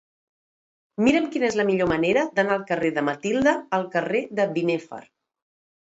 Mira'm quina és la millor manera d'anar del carrer de Matilde al carrer de Binèfar.